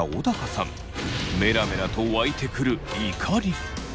メラメラと湧いてくる怒り。